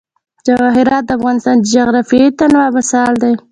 جواهرات د افغانستان د جغرافیوي تنوع مثال دی.